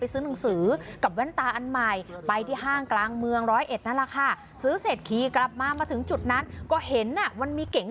ซื้อเสร็จขี่กลับมามาถึงจุดนั้นก็เห็นอ่ะวันมีเก๋ง